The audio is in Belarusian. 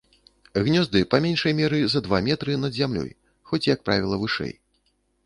Гнёзды, па меншай меры за два метры над зямлёй, хоць, як правіла, вышэй.